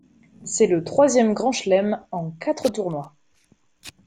C'est le troisième grand chelem en quatre tournois.